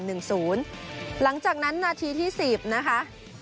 หลังจากนั้นนาทีที่๑๐นะคะ